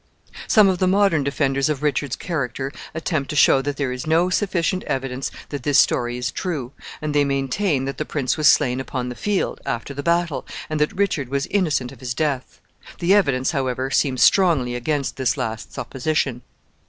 Some of the modern defenders of Richard's character attempt to show that there is no sufficient evidence that this story is true, and they maintain that the prince was slain upon the field, after the battle, and that Richard was innocent of his death. The evidence, however, seems strongly against this last supposition.